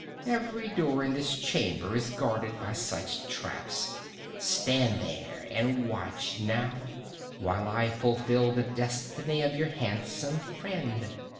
Every door in this chamber is guarded by such traps. Stand there and watch now, while I fulfill the destiny of your handsome friend!